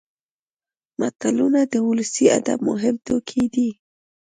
متلونه د ولسي ادب مهم توکي دي